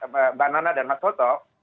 mbak nana dan mbak soto